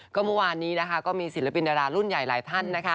ก็เมื่อวานนี้นะคะก็มีศิลปินดารารุ่นใหญ่หลายท่านนะคะ